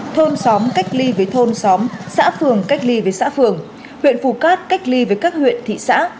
thôn xóm cách ly với thôn xóm xã phường cách ly với xã phường huyện phù cát cách ly với các huyện thị xã